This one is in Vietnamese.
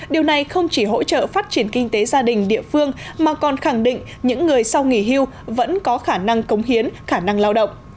điều này không chỉ hỗ trợ phát triển kinh tế gia đình địa phương mà còn khẳng định những người sau nghỉ hưu vẫn có khả năng cống hiến khả năng lao động